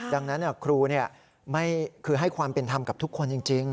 ดังนั้นครูเนี่ยไม่คิดให้ความเป็นธรรมกับทุกคนจริง